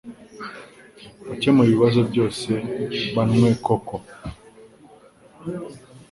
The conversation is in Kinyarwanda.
Wakemuye ibibazo byose banwe koko